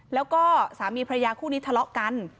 แล้วก็สามีพระยาคู่นี้ทะเลาะกัน